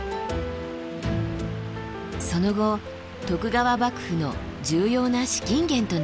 その後徳川幕府の重要な資金源となりました。